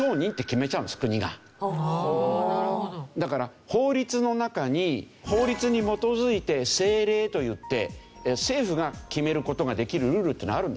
だから法律の中に法律に基づいて「政令」といって政府が決める事ができるルールっていうのがあるんですね。